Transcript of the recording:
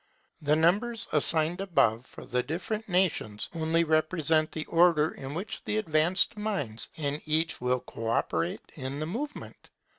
The numbers assigned above for the different nations, only represent the order in which the advanced minds in each will co operate in the movement.